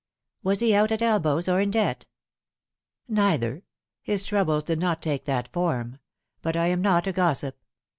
" Was he out at elbows, or in debt ?"" Neither. His troubles did not take that form. But I am not a gossip.